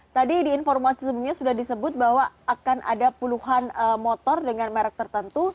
tadi di informasi sebelumnya sudah disebut bahwa akan ada puluhan motor dengan merek tertentu